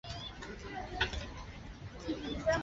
它与它的兄弟钻石光之海同样来自印度的安德拉邦。